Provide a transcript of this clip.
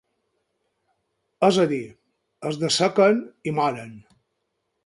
És a dir, es dessequen i moren.